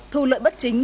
thu lợi bất chính